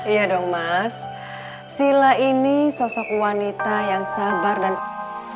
iya dong mas sila ini sosok wanita yang sabar dan murah shade dia dia pas iya dong listrik vancouver